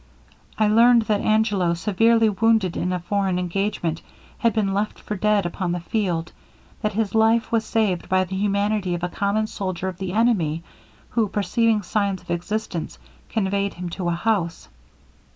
I learned that Angelo, severely wounded in a foreign engagement, had been left for dead upon the field; that his life was saved by the humanity of a common soldier of the enemy, who perceiving signs of existence, conveyed him to a house.